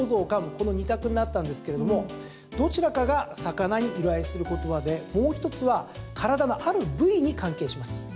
この２択になったんですけどもどちらかが魚に由来する言葉でもう１つは体のある部位に関係します。